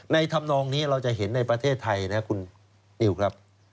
ธรรมนองนี้เราจะเห็นในประเทศไทยนะครับคุณนิวครับ